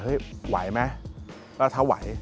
เห้ยไหวไหมแล้วถ้าไหว